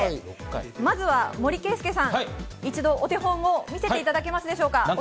まずは森さん、一度お手本を見せていただけますか？